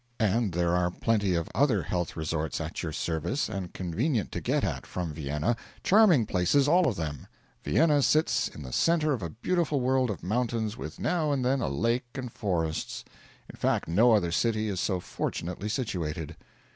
And there are plenty of other health resorts at your service and convenient to get at from Vienna; charming places, all of them; Vienna sits in the centre of a beautiful world of mountains with now and then a lake and forests; in fact, no other city is so fortunately situated.